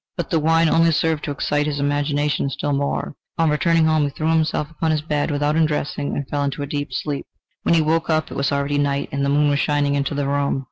But the wine only served to excite his imagination still more. On returning home, he threw himself upon his bed without undressing, and fell into a deep sleep. When he woke up it was already night, and the moon was shining into the room.